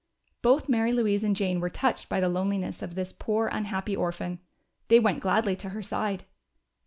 Both Mary Louise and Jane were touched by the loneliness of this poor unhappy orphan. They went gladly to her side.